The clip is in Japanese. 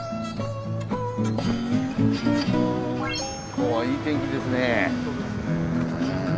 今日はいい天気ですね。